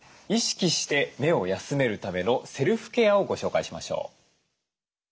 意識して目を休めるためのセルフケアをご紹介しましょう。